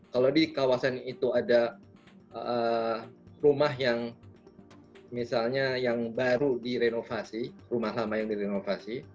kalau di kawasan itu ada rumah yang misalnya yang baru direnovasi rumah lama yang direnovasi